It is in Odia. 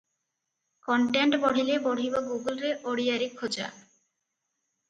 କଣ୍ଟେଣ୍ଟ ବଢ଼ିଲେ ବଢ଼ିବ ଗୁଗୁଲରେ ଓଡ଼ିଆରେ ଖୋଜା ।